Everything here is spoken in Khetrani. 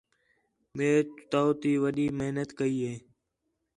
مئے تَو تی وݙی محنت کَئی ہِے